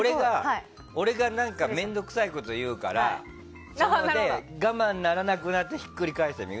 俺が面倒くさいこと言うからそれで我慢ならなくなってひっくり返すね。